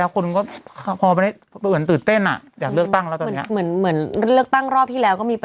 ก็คือเดียวเขาต้องมาการ